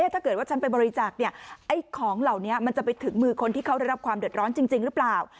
ถ้าเกิดว่าฉันไปบริจาคของเหล่านี้มันจะไปถึงมือคนที่เขาได้รับความเดือดร้อนจริงหรือเปล่า